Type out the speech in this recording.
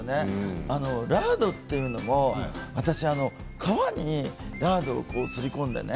ラードというのも皮にラードをすり込んでね。